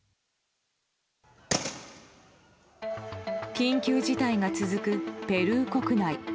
緊急事態が続くペルー国内。